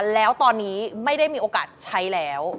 แล้วตอนนี้ไม่ได้มีโอกาสใช้แล้ว